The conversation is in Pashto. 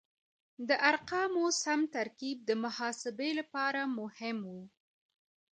د ارقامو سم ترکیب د محاسبې لپاره مهم و.